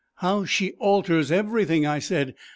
"How she alters everything," I said.